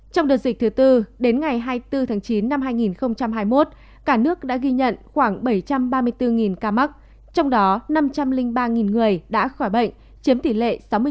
trong đợt dịch thứ tư đến ngày hai mươi bốn tháng chín năm hai nghìn hai mươi một cả nước đã ghi nhận khoảng bảy trăm ba mươi bốn ca mắc trong đó năm trăm linh ba người đã khỏi bệnh chiếm tỷ lệ sáu mươi bảy